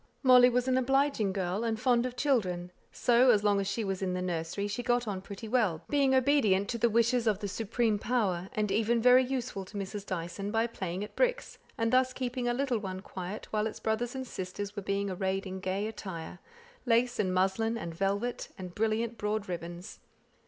Molly was an obliging girl, and fond of children; so, as long as she was in the nursery, she got on pretty well, being obedient to the wishes of the supreme power, and even very useful to Mrs. Dyson, by playing at tricks, and thus keeping a little one quiet while its brothers and sisters were being arrayed in gay attire, lace and muslin, and velvet, and brilliant broad ribbons.